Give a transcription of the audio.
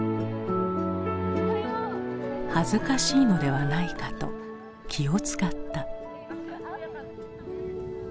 「恥ずかしいのではないか」と気を遣った。